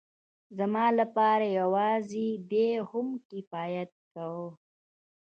زما لپاره يوازې دې هم کفايت کاوه.